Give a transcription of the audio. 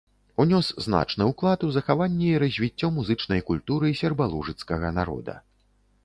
Унёс значны ўклад у захаванне і развіццё музычнай культуры сербалужыцкага народа.